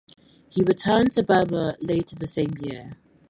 He returned to Burma later the same year.